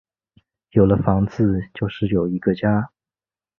有了房子就是有一个家